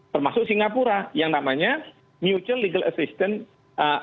termasuk singapura yang namanya mutual legal assistance